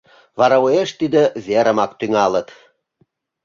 Вара уэш тиде верымак тӱҥалыт.